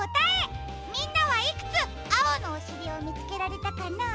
みんなはいくつあおのおしりをみつけられたかな？